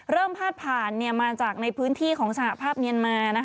พาดผ่านมาจากในพื้นที่ของสหภาพเมียนมา